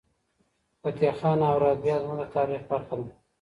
فتح خان او رابعه زموږ د تاریخ برخه ده.